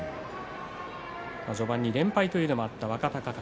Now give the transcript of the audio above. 序盤に連敗というのがあった若隆景。